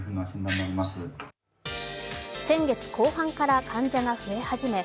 先月後半から患者が増え始め